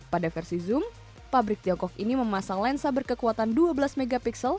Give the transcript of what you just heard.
pada versi zoom pabrik tiongkok ini memasang lensa berkekuatan dua belas mp